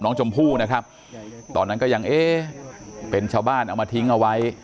น้องชมพู่นะครับตอนนั้นก็ยังเอ๊ะเป็นชาวบ้านเอามาทิ้งเอาไว้